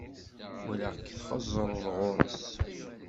Walaɣ-k txeẓẓreḍ ɣur-s.